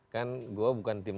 kan gue bukan tim